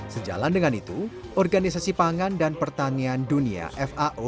sejalan dengan itu organisasi pangan dan pertanian dunia fao